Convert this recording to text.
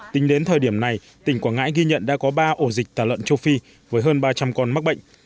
tính đến thời điểm này tỉnh quảng ngãi ghi nhận đã có ba ổ dịch tả lợn châu phi với hơn ba trăm linh con mắc bệnh